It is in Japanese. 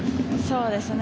そうですね。